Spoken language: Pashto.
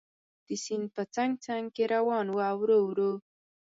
د سیند په څنګ څنګ کې روان و او ورو ورو.